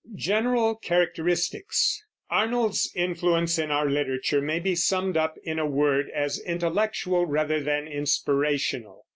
GENERAL CHARACTERISTICS. Arnold's influence in our literature may be summed up, in a word, as intellectual rather than inspirational.